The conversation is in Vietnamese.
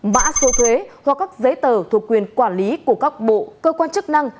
mã số thuế hoặc các giấy tờ thuộc quyền quản lý của các bộ cơ quan chức năng